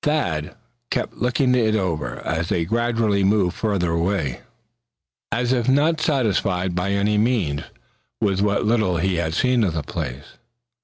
Thad kept looking it over as they gradually moved further away, as if not satisfied, by any means, with what little he had seen of the place.